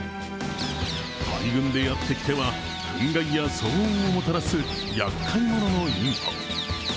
大群でやってきてはふん害や騒音をもたらすやっかい者のインコ。